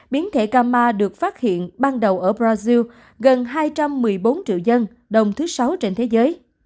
biến thể cà ma được phát hiện ban đầu ở brazil gần hai trăm một mươi bốn triệu dân đông thứ sáu trên thế giới